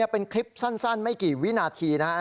เป็นคลิปสั้นไม่กี่วินาทีนะครับ